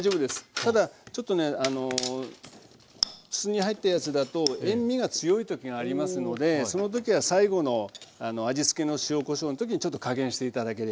ただちょっとねあの筒に入ったやつだと塩味が強い時がありますのでその時は最後の味つけの塩こしょうの時にちょっと加減して頂ければ。